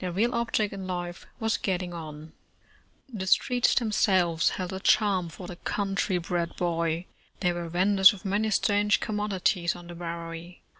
Their real object in life was getting on. The streets themselves held a charm for the country bred boy. There were venders of many strange commod ities on the Bowery.